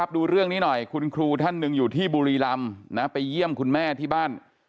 ดูเรื่องนี้หน่อยคุณครูท่านหนึ่งอยู่ที่บุรีรำไปเยี่ยมคุณแม่ที่บ้าน